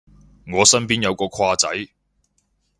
我身邊有個跨仔